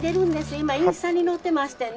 今インスタに載ってましてね。